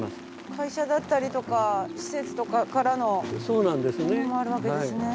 会社だったりとか施設とかからのものもあるわけですね。